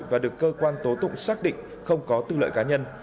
và được cơ quan tố tụng xác định không có tư lợi cá nhân